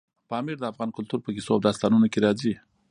پامیر د افغان کلتور په کیسو او داستانونو کې راځي.